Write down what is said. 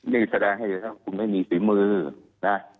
ไม่แสดงให้คุณไม่มีศื้อมือนะ